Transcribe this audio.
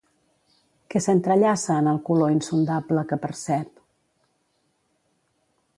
Què s'entrellaça en el color insondable que percep?